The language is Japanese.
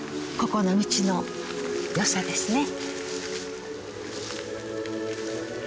ここの道のよさですね。